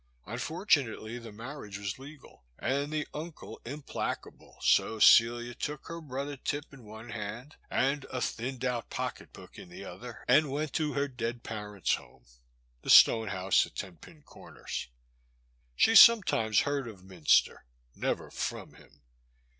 Unfortunately the marriage was legal, and the uncle implacable, so Celia took her brother Tip in one hand, and a thinned out pocket book in the other, and went to her dead parent's home, the stone house at Ten Pin Comers. She sometimes heard of Minster, never from him.